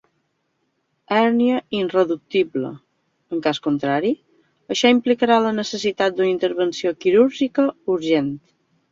Hèrnia irreductible: en cas contrari, això implicarà la necessitat d'una intervenció quirúrgica urgent.